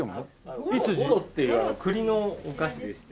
五路っていう栗のお菓子でして。